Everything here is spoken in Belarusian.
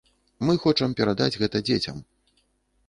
Мы хочам перадаць гэта дзецям.